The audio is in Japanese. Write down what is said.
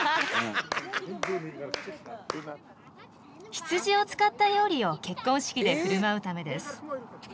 ヒツジを使った料理を結婚式で振る舞うためです。